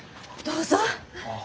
どうぞ。